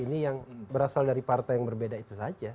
ini yang berasal dari partai yang berbeda itu saja